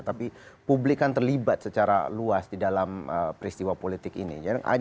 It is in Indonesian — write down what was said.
tapi publik kan terlibat secara luas di dalam peristiwa politik ini